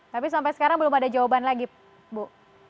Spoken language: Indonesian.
tapi sampai sekarang belum ada jawaban lagi bu